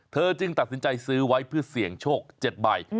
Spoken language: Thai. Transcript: จึงตัดสินใจซื้อไว้เพื่อเสี่ยงโชค๗ใบ